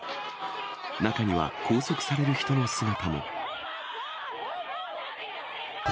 中には拘束される人の姿も。